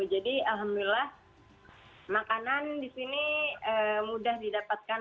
jadi alhamdulillah makanan di sini mudah didapatkan